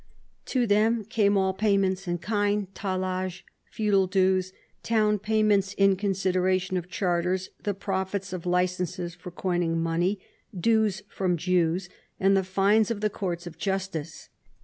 To them came all payments in kind, tallages, feudal dues, town payments in consideration of charters, the profits of licences for coining money, dues from Jews, and the fines of the courts of justice.